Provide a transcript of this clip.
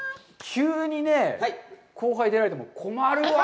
急にね、後輩出られても困るわ。